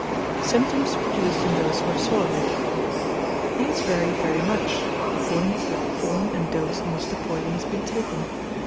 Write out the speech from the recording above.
Symptoms produced in those who have swallowed it. These vary very much, according to the form and dose in which the poison has been taken.